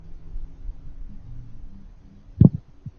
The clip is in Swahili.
wanyama wanaozidi miaka miwili ambao wameonyesha dalili za ugonjwa huu